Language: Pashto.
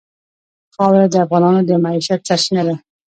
خاوره د افغانانو د معیشت سرچینه ده.